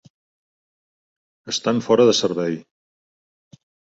"Estan" fora de servei!